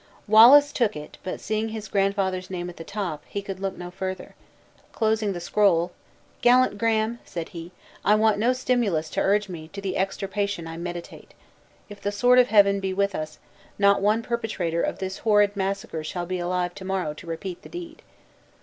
Wallace took it, but seeing his grandfather's name at the top, he could look no further; closing the scroll, "Gallant Graham," said he, "I want no stimulus to urge me to the extirpation I meditate. If the sword of Heaven be with us, not one perpetrator of this horrid massacre shall be alive to morrow to repeat the deed."